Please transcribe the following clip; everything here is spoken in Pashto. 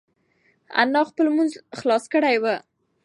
انا خپل لمونځ خلاص کړی و.